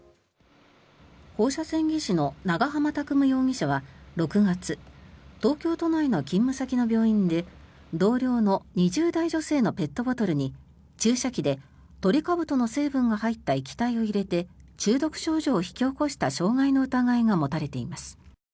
放射線技師の長濱拓夢容疑者は６月東京都内の勤務先の病院で同僚の２０代女性のペットボトルに注射器でトリカブトの成分が入った液体を入れて中毒症状を引き起こした傷害の疑いが持たれています。